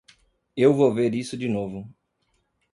Eu vou ver isso de novo.